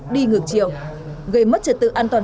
đi ngược chiều gây mất trật tự an toàn